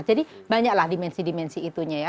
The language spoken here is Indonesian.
jadi banyaklah dimensi dimensi itunya ya